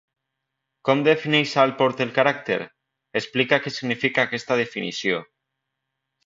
Com defineix Allport el caràcter? Explica què significa aquesta definició.